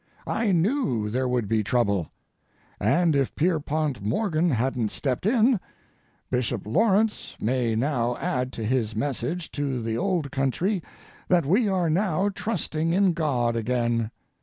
I knew there would be trouble. And if Pierpont Morgan hadn't stepped in—Bishop Lawrence may now add to his message to the old country that we are now trusting in God again.